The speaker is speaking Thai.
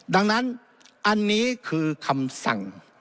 ดังนั้นอันนี้คือคำสั่ง